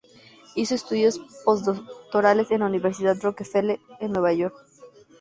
Hizo estudios posdoctorales en la Universidad Rockefeller, en Nueva York.